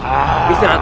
baik baik baik baik baik